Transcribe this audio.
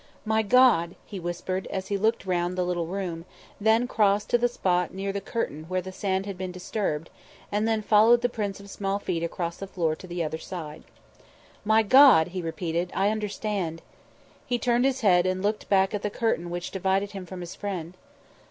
"My God!" he whispered, as he looked round the little room; then crossed to the spot near the curtain where the sand had been disturbed, and then followed the prints of small feet across the floor to the further side. "My God!" he repeated. "I understand." He turned his head and looked back at the curtain which divided him from his friend.